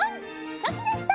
チョキでした！